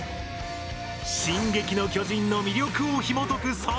「進撃の巨人」の魅力をひもとく